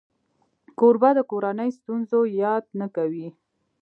کوربه د کورنۍ ستونزو یاد نه کوي.